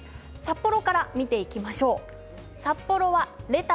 札幌から見ていきます。